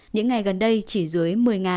những ngày gần đây chỉ dưới một mươi